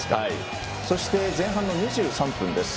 そして前半の２３分です。